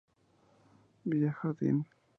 Villa Jardín.